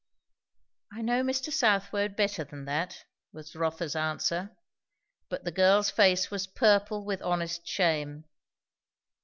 "I know Mr. Southwode better than that," was Rotha's answer. But the girl's face was purple with honest shame.